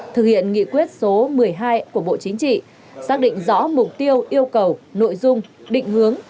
thực hiện nghị quyết số một mươi hai của bộ chính trị xác định rõ mục tiêu yêu cầu nội dung định hướng